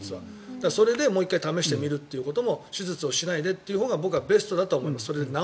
それでもう１回試してみることも手術をしないでというほうがベストだと思います。